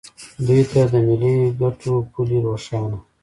دوی ته د ملي ګټو پولې روښانه